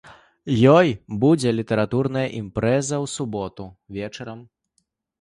Ёй будзе літаратурная імпрэза ў суботу вечарам.